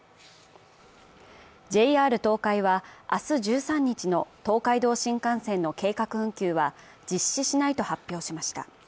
ＪＲ東海は、明日１３日の東海道新幹線の計画運休は実施しないと発表しました。